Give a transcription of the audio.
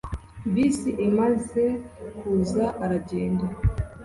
Bisi imaze kuza aragenda